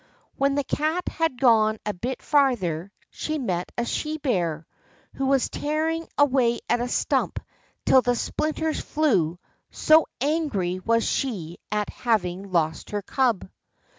When the Cat had gone a bit farther, she met a she bear, who was tearing away at a stump till the splinters flew, so angry was she at having lost her cub.